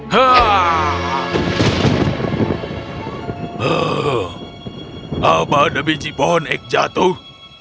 hah apa ada biji pohon ek jatuh